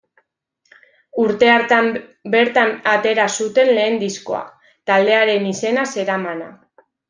Urte hartan bertan atera zuten lehen diskoa, taldearen izena zeramana.